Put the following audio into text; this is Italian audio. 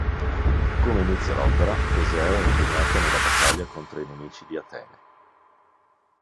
Come inizia l'opera Teseo è impegnato nella battaglia contro i nemici di Atene.